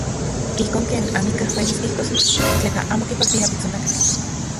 Ijkon ken amikaj uelis kijtos tleka amo kipaktia pitsonakatl.